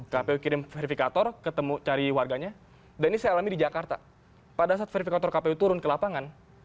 kpu kirim verifikator ketemu cari warganya dan ini saya alami di jakarta pada saat verifikator kpu turun ke lapangan